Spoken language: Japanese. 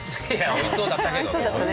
おいしそうだった。